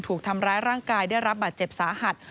ถูกทำร้ายร่างกายได้รับบาดเจ็บสาหัส